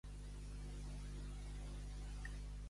Gran injúria és feta al donador quan el do és recusat.